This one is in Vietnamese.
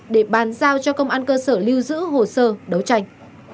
để bàn giao cho công an cơ sở lưu giữ hồ sơ đấu tranh